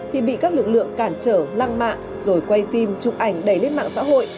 thì bị các lực lượng cản trở lăng mạ rồi quay phim chụp ảnh đẩy lên mạng xã hội